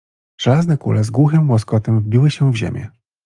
Żelazne kule z głuchym łoskotem wbiły się w ziemię.